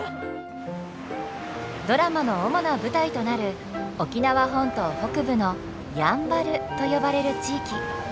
ドラマの主な舞台となる沖縄本島北部の「やんばる」と呼ばれる地域。